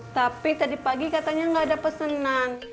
tapi tadi pagi katanya enggak ada pesenan